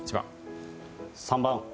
３番。